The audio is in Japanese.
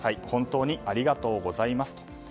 本当にありがとうございますと。